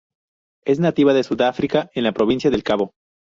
Es nativa de Sudáfrica en la Provincia del Cabo.